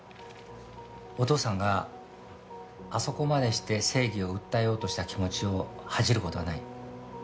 お父さんがあそこまでして正義を訴えようとした気持ちを恥じる事はない。